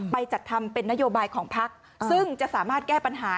จัดทำเป็นนโยบายของพักซึ่งจะสามารถแก้ปัญหา